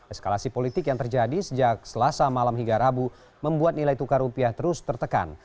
eskalasi politik yang terjadi sejak selasa malam hingga rabu membuat nilai tukar rupiah terus tertekan